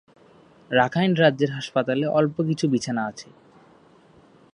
Rakhine রাজ্যের হাসপাতালে অল্প কিছু বিছানা আছে।